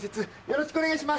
よろしくお願いします。